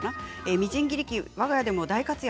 みじん切り器わが家でも大活躍